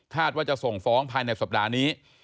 ว่าจะส่งฟ้องภายในสัปดาห์นี้